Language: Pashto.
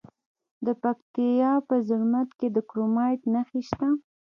د پکتیا په زرمت کې د کرومایټ نښې شته.